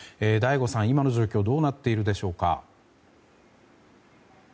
醍醐さん、今の状況どうなっているでしょうか。